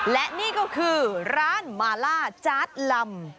และนี่ก็คือร้านมาล่าจาร์ดลำ